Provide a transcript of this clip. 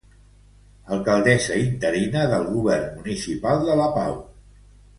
Alcaldessa interina del Govern Municipal de la Pau.